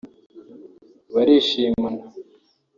barishimana